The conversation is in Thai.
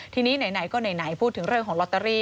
ทีนี้ไหนก็ไหนพูดถึงเรื่องของลอตเตอรี่